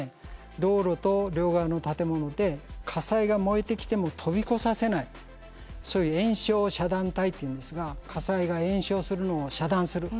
道路と両側の建物で火災が燃えてきても飛び越させないそういう延焼遮断帯っていうんですが火災が延焼するのを遮断する。